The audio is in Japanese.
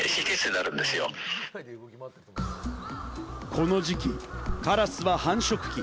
この時期、カラスは繁殖期。